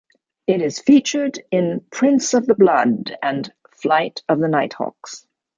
It is featured in "Prince of the Blood" and "Flight of the Nighthawks".